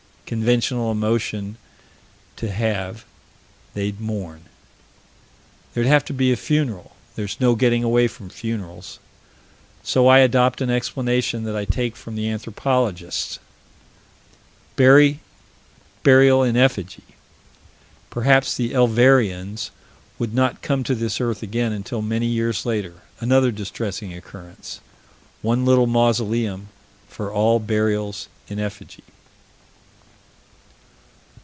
Conventional emotion to have: they'd mourn. There'd have to be a funeral: there's no getting away from funerals. So I adopt an explanation that I take from the anthropologists: burial in effigy. Perhaps the Elvereans would not come to this earth again until many years later another distressing occurrence one little mausoleum for all burials in effigy.